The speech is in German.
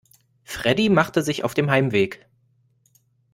Freddie machte sich auf dem Heimweg.